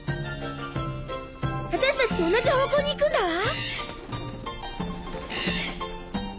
私たちと同じ方向に行くんだわ。